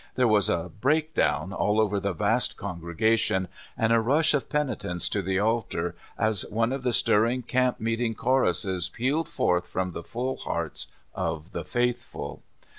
There was a "break down" all over the vast congregation, and a rush of penitents to the altar, as one of the stir ring camp meeting choruses pealed forth from the full hearts of the faithful.